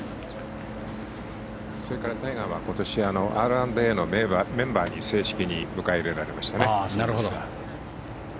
それからタイガーは今年Ｒ＆Ａのメンバーに正式に迎え入れられましたね。